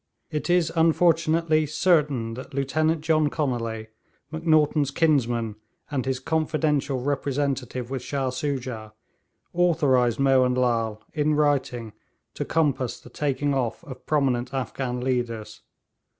It is unfortunately certain that Lieutenant John Conolly, Macnaghten's kinsman and his confidential representative with Shah Soojah, authorised Mohun Lal, in writing, to compass the taking off of prominent Afghan leaders.